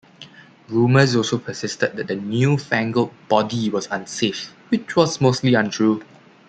Rumors also persisted that the "new-fangled" body was unsafe, which was mostly untrue.